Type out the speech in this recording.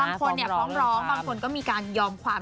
บางคนเนี่ยฟ้องร้องบางคนก็มีการยอมความ